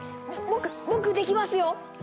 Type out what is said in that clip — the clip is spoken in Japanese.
僕僕できますよ！